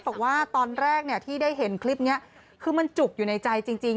บอกว่าตอนแรกที่ได้เห็นคลิปนี้คือมันจุกอยู่ในใจจริง